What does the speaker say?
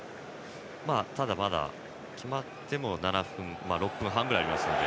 ただ、まだ決まっても６分半くらいあるので。